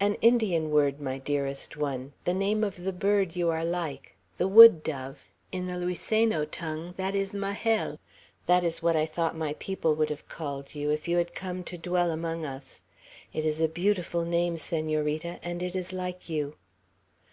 "An Indian word, my dearest one, the name of the bird you are like, the wood dove. In the Luiseno tongue that is Majel; that was what I thought my people would have called you, if you had come to dwell among us. It is a beautiful name, Senorita, and is like you."